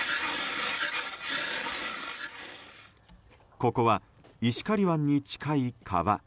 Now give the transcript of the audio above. ここは石狩湾に近い川。